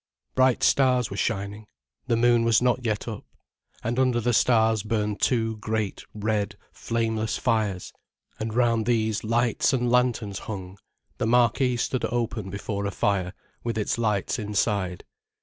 Bright stars were shining, the moon was not yet up. And under the stars burned two great, red, flameless fires, and round these lights and lanterns hung, the marquee stood open before a fire, with its lights inside.